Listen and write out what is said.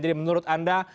jadi menurut anda